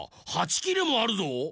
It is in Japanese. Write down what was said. ８きれもあるぞ。